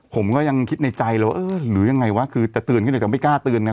ผมก็ยังคิดในใจแล้วเออหรือยังไงวะคือแต่ตื่นขึ้นเดี๋ยวจะไม่กล้าตื่นอ่ะ